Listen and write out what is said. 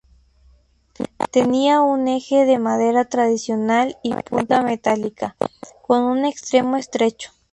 Tenía un eje de madera tradicional y punta metálica, con un extremo estrecho.